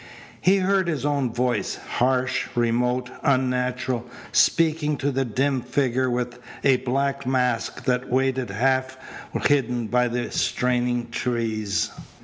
He heard his own voice, harsh, remote, unnatural, speaking to the dim figure with a black mask that waited half hidden by the straining trees.